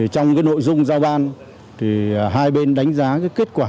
trong nội dung giao ban hai bên đánh giá kết quả